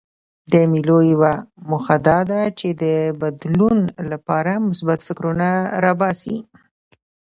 د مېلو یوه موخه دا ده، چي د بدلون له پاره مثبت فکرونه راباسي.